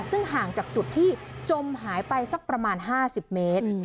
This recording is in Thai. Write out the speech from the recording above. ซึ่งห่างจากจุดที่จมหายไปสักประมาณ๕๐เมตร